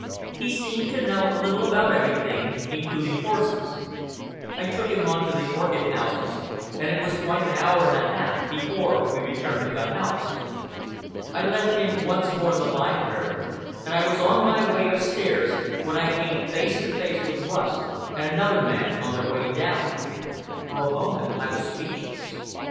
He seemed to know a little about everything, including horses. I took him on to the orchid houses, and it was quite an hour and a half before we returned to the house. I left him once more in the library, and I was on my way upstairs, when I came face to face with Rust and another man on their way down. For a moment I was speechless.